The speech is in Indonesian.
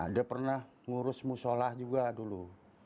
dia pernah ngurus musolah juga dulu